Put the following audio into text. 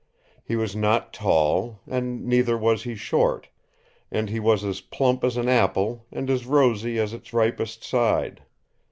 He was not tall, and neither was he short, and he was as plump as an apple and as rosy as its ripest side.